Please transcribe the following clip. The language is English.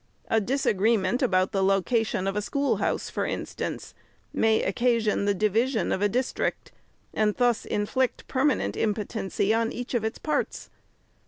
A disagreement about the location of a schoolhouse, for instance, may occasion the division of a district, and thus inflict permanent impotency upon each of its parts.